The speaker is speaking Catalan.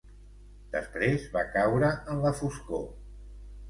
Després va caure en la foscor.